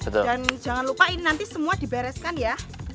dan jangan lupa ini nanti semua dibereskan ya